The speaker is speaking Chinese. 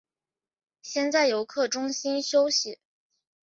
先在游客中心休息